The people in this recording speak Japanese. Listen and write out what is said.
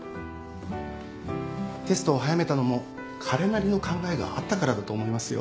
テストを早めたのも彼なりの考えがあったからだと思いますよ。